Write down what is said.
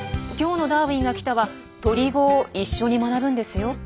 今日の「ダーウィンが来た！」は鳥語を一緒に学ぶんですよ。